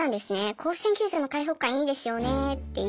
甲子園球場の開放感良いですよね！」っていう。